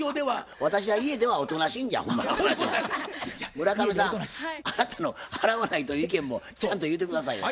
村上さんあなたの払わないという意見もちゃんと言うて下さいよ。